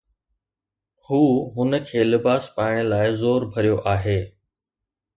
هو هن کي لباس پائڻ لاءِ زور ڀريو آهي.